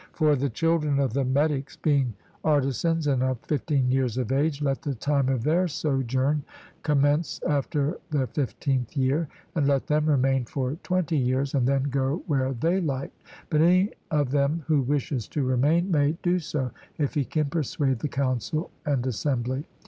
For the children of the metics, being artisans, and of fifteen years of age, let the time of their sojourn commence after their fifteenth year; and let them remain for twenty years, and then go where they like; but any of them who wishes to remain, may do so, if he can persuade the council and assembly.